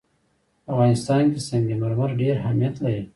په افغانستان کې سنگ مرمر ډېر اهمیت لري.